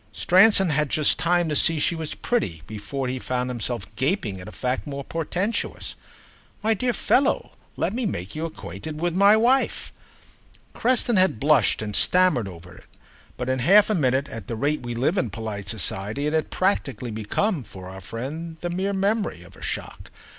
Stransom had just time to see she was pretty before he found himself gaping at a fact more portentous. "My dear fellow, let me make you acquainted with my wife." Creston had blushed and stammered over it, but in half a minute, at the rate we live in polite society, it had practically become, for our friend, the mere memory of a shock.